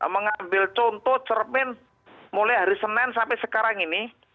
mengambil contoh cermin mulai hari senin sampai sekarang ini